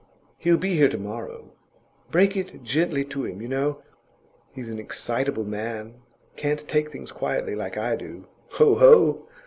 He'll be here to morrow? Break it gently to him, you know; he's an excitable man; can't take things quietly, like I do. Ho, ho!